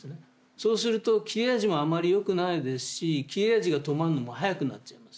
そうすると切れ味もあんまりよくないですし切れ味が止まんのも早くなっちゃいます。